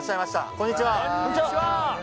こんにちは！